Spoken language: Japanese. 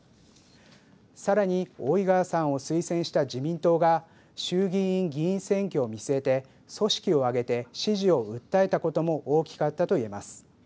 さらに、大井川さんを推薦した自民党が衆議院議員選挙を見据えて組織を挙げて支持を訴えたことも大きかったと言えます。